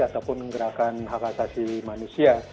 ataupun gerakan hak asasi manusia